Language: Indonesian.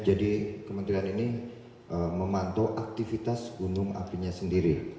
jadi kementerian ini memantau aktivitas gunung apinya sendiri